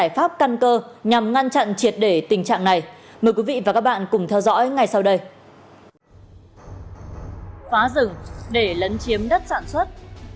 phá rừng để lấn chiếm đất sản xuất